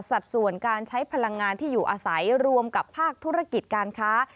สัดส่วนการใช้พลังงานที่อยู่อาศัยรวมกับภาคธุรกิจการค้า